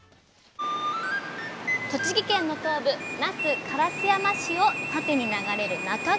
栃木県の東部那須烏山市を縦に流れる那珂川。